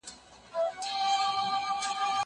زه له سهاره انځورونه رسم کوم!؟